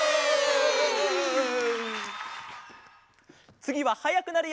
つぎははやくなるよ！